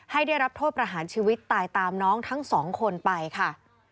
ให้ได้รับโทษประหารชีวิตตายตามน้องทั้งสองคนไปค่ะ